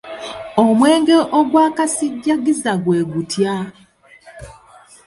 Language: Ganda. Omwenge ogwa kasijjagiza gwe gutya?